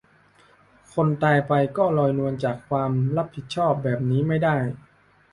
คนตายไป ก็ลอยนวลจากความรับผิดชอบ แบบนี้ไม่ได้